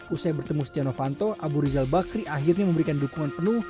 usai bertemu stiano fanto abu rizal bakri akhirnya memberikan dukungan penuh